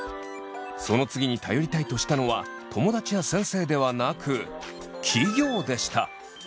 その次に頼りたいとしたのは友達や先生ではなく企業でした。